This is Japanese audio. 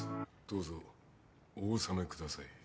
どうぞお納めください」。